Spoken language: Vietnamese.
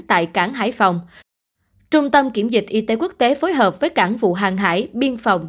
tại cảng hải phòng trung tâm kiểm dịch y tế quốc tế phối hợp với cảng vụ hàng hải biên phòng